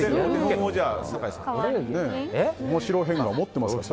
面白変顔持ってますから。